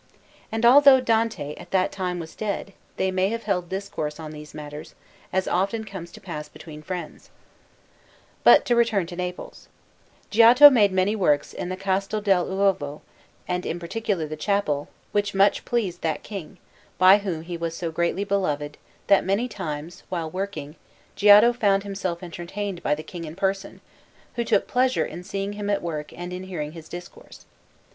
And although Dante at that time was dead, they may have held discourse on these matters, as often comes to pass between friends. [Illustration: GIOTTO: MADONNA AND CHILD (Florence: Accademia 103. Panel)] But to return to Naples; Giotto made many works in the Castel dell'Uovo, and in particular the chapel, which much pleased that King, by whom he was so greatly beloved that many times, while working, Giotto found himself entertained by the King in person, who took pleasure in seeing him at work and in hearing his discourse.